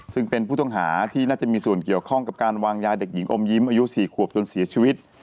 ซึ่งเป็นผู้ต้องหาที่น่าจะมีส่วนเกี่ยวข้องกับการวางยาเด็กหญิงอมยิ้มอายุ๔ขวบจนเสียชีวิต